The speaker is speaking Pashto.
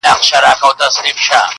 یو سپین ږیری وو ناروغه له کلونو!!